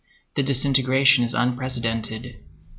The disintegration is unprecedented.